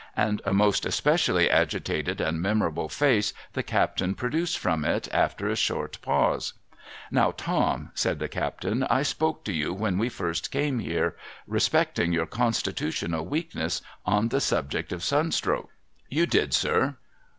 And a most espe cially agitated and memorable fi\ce the captain produced from it, after a short pause. ' Now, Tom,' said the captain, ' I sjioke to you, when we first A GUARD AGAINST SUNSTROlvE 249 came here, respecting your constitutional v;eakness on the subject of sunstroke.' ' You did, sir.'